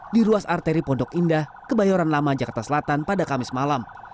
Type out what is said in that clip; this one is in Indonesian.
di ruas arteri pondok indah kebayoran lama jakarta selatan pada kamis malam